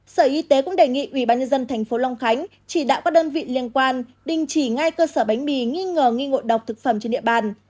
sở y tế cũng đề nghị ubnd tp long khánh chỉ đạo các đơn vị liên quan đình chỉ ngay cơ sở bánh mì nghi ngờ nghi ngộ độc thực phẩm trên địa bàn